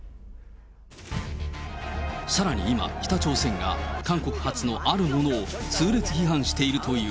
さらに今、北朝鮮が韓国発のあるものを痛烈批判しているという。